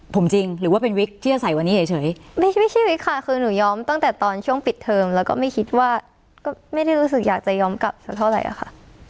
ผมจริงหรือว่าเป็นวิกที่อาศัยวันนี้เฉยไม่ใช่วิกค่ะคือหนูย้อมตั้งแต่ตอนช่วงปิดเทอมแล้วก็ไม่คิดว่าก็ไม่ได้รู้สึกอยากจะย้อมกลับสักเท่าไหร่อะค่ะ